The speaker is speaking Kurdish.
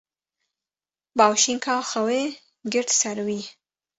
Bawşînka xewê girt ser wî.